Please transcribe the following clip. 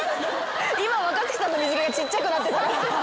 今若槻さんの水着がちっちゃくなってたら。